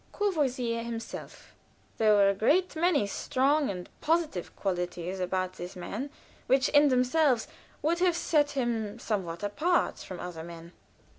Courvoisier himself? There were a great many strong and positive qualities about this man, which in themselves would have set him somewhat apart from other men.